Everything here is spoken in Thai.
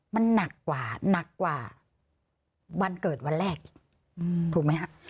มันหนักกว่าหนักกว่าวันเกิดวันแรกอีกถูกไหมฮะ